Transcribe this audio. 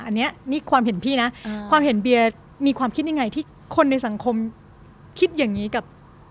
อันนี้นี่ความเห็นพี่นะความเห็นเบียร์มีความคิดยังไงที่คนในสังคมคิดอย่างนี้กับ